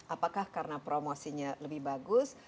apakah karena promosinya lebih bagus